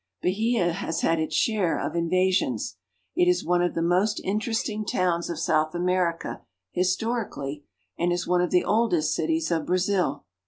Bahia has had its share of invasions. It is one of the most interesting towns of South America historically, and is one of the oldest cities of Brazil.